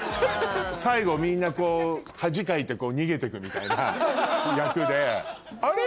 最後みんな恥かいて逃げてくみたいな役で。